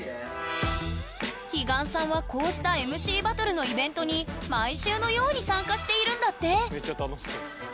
彼岸さんはこうしたＭＣバトルのイベントに毎週のように参加しているんだって。